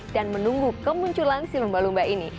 dan menunggu kemunculan si lumba lumba ini